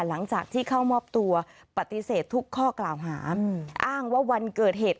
หลังจากที่เข้ามอบตัวปฏิเสธทุกข้อกล่าวหาอ้างว่าวันเกิดเหตุ